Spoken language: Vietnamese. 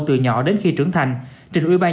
từ nhỏ đến khi trưởng thành trình ủy ban